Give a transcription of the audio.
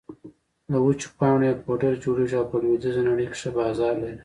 له وچو پاڼو يې پوډر جوړېږي او په لویدېزه نړۍ کې ښه بازار لري